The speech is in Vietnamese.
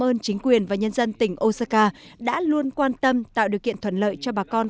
cảm ơn chính quyền và nhân dân tỉnh osaka đã luôn quan tâm tạo điều kiện thuận lợi cho bà con